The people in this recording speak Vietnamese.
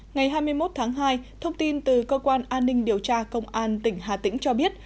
ngày hai mươi một tháng hai thông tin từ cơ quan an ninh điều tra công an tỉnh hà tĩnh cho biết